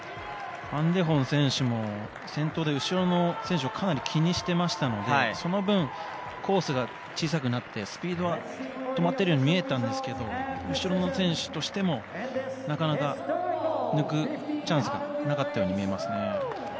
ファン・デホン選手も先頭で後ろの選手をかなり気にしていましたのでその分、コースが小さくなってスピードは止まっているように見えたんですが後ろの選手としてもなかなか抜くチャンスがなかったように見えますね。